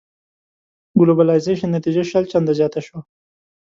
ګلوبلایزېشن نتيجه شل چنده زياته شوه.